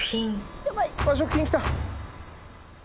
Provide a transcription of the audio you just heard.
食品きた。